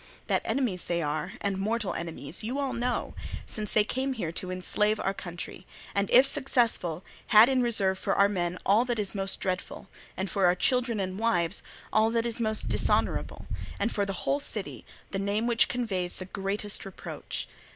That enemies they are and mortal enemies you all know, since they came here to enslave our country, and if successful had in reserve for our men all that is most dreadful, and for our children and wives all that is most dishonourable, and for the whole city the name which conveys the greatest reproach.